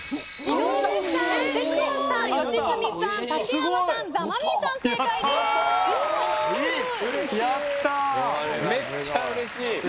めっちゃうれしい。